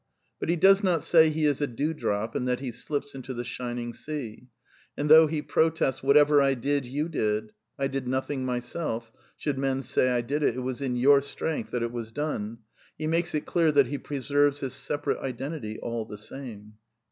But he does not say he is a dewdrop and that he slips into the shining sea. And though he protests ' Whatever I did, you did ; I did nothing my self ; should men say I did it, it was in your strength that it was done,' he makes it clear that he preserves his separate iden tity all the same."